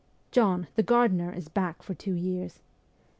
' John, the gardener, is back for two years.'